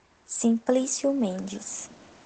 Simplício Mendes